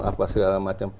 apa segala macam